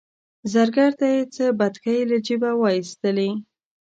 زرګر ته یې څه بتکۍ له جیبه وایستلې.